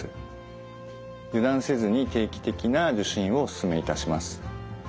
油断せずに定期的な受診をお勧めいたします。